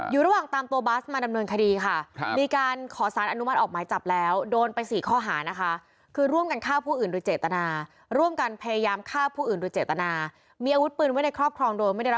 อยู่ระหว่างตามตัวบาร์ดมาดำเนินคดีค่ะ